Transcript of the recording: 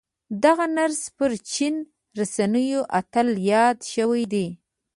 دغه نرس پر چين رسنيو اتل ياد شوی دی.